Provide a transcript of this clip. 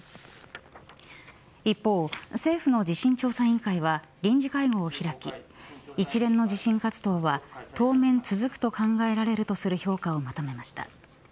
一方、政府の地震調査委員会は臨時会合を開き一連の地震活動は当面続くと考えられるとする評価をまとめました。